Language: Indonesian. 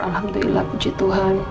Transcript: alhamdulillah puji tuhan